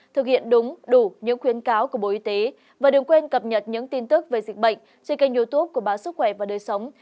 thực hiện đúng đủ những khuyến cáo của bộ y tế và đừng quên cập nhật những tin tức về dịch bệnh trên kênh youtube của báo sức khỏe và đời sống